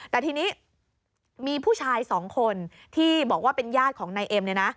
แต่ทีนี้มีผู้ชายสองคนที่บอกว่าเป็นญาติของนายเอ็มเนี่ยนะ